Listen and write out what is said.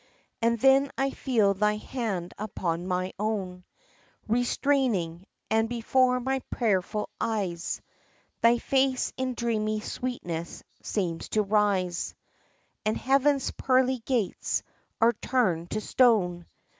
And then I feel thy hand upon mine own Restraining, and before my prayerful eyes Thy face in dreamy sweetness seems to rise, — And Heaven's pearly gates are turned to stone.